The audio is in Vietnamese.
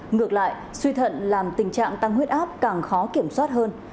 ngược lại suy thận làm tình trạng tăng huyết áp càng khó kiểm soát hơn